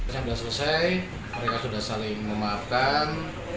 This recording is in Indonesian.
sudah selesai mereka sudah saling memaafkan